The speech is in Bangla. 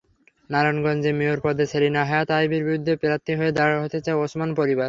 নারায়ণগঞ্জে মেয়র পদে সেলিনা হায়াৎ আইভীর বিরুদ্ধে প্রার্থী দাঁড় করাতে চায় ওসমান পরিবার।